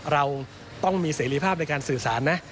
เราต้องมีเสรีภาพในการสื่อสารนะ